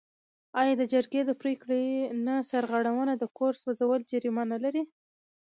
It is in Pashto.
آیا د جرګې د پریکړې نه سرغړونه د کور سوځول جریمه نلري؟